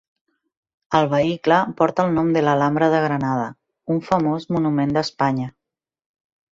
El vehicle porta el nom de l'Alhambra de Granada, un famós monument d'Espanya.